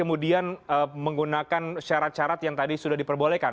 kemudian menggunakan syarat syarat yang tadi sudah diperbolehkan